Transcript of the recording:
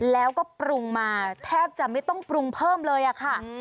แล้วก็ปรุงมาแทบจะไม่ต้องปรุงเพิ่มเลยอะค่ะ